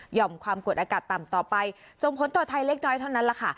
่อมความกดอากาศต่ำต่อไปส่งผลต่อไทยเล็กน้อยเท่านั้นแหละค่ะ